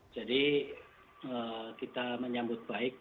jadi kita menyambut baik